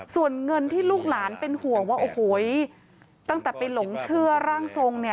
ส่วนเงินที่ลูกหลานเป็นห่วงว่าโอ้โหตั้งแต่ไปหลงเชื่อร่างทรง